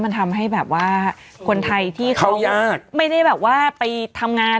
มันทำให้แบบว่าคนไทยที่เขาไม่ได้แบบว่าไปทำงาน